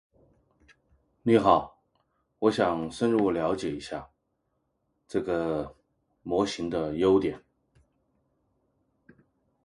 My son was born in late July.